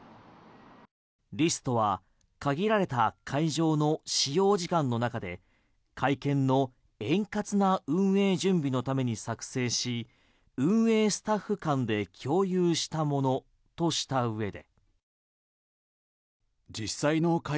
リストは限られた会場の使用時間の中で会見の円滑な運営準備のために作成し、運営スタッフ間で共有したものとしたうえで。